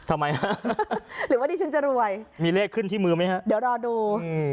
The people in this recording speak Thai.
ทำไมฮะหรือว่าดิฉันจะรวยมีเลขขึ้นที่มือไหมฮะเดี๋ยวรอดูอืม